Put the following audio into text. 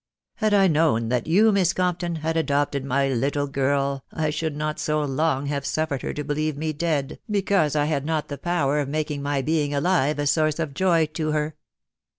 Had I known that you, Miss Compton, had adopted my little girl, I should not so long have suffered her to believe me dead, be cause I had not the power of making my being alive a source of joy to her."